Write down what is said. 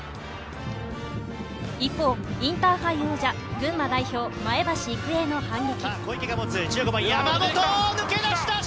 一方、インターハイ王者、群馬代表・前橋育英の反撃。